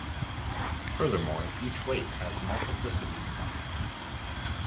Furthermore, each weight has multiplicity one.